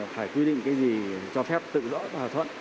phải quy định cái gì cho phép tự rõ hòa thuận